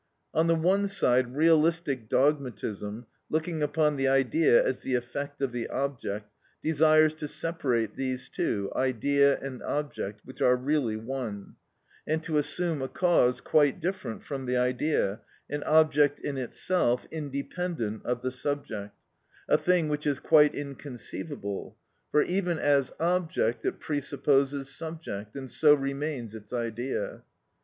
On the one side realistic dogmatism, looking upon the idea as the effect of the object, desires to separate these two, idea and object, which are really one, and to assume a cause quite different from the idea, an object in itself, independent of the subject, a thing which is quite inconceivable; for even as object it presupposes subject, and so remains its idea.